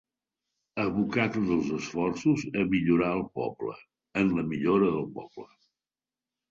Abocar tots els esforços a millorar el poble, en la millora del poble.